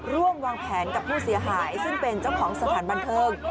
ร่วมวางแผนกับผู้เสียหายซึ่งเป็นเจ้าของสถานบันเทิง